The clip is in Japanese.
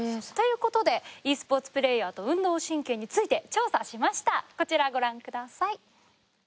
ということでｅスポーツプレイヤーと運動神経について調査しましたこちらご覧ください。